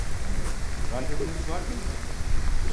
Randevunuz var mıydı?